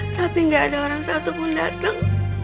tapi gak ada orang satu pun datang